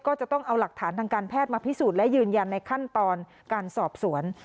ก็จะต้องเอาหลักฐานทางการแพทย์มาพิสูจน์และยืนยันในขั้นตอนการสอบสวน